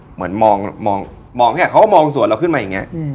เหมือนมองมองแค่มองสวนเราขึ้นมาอย่างเนี้ย